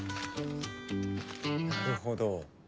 なるほど。